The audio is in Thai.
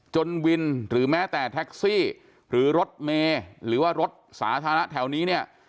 จนวินหรือแม้แต่แท็กซี่หรือรถเมย์หรือว่ารถสาธารณะแถวนี้เนี่ย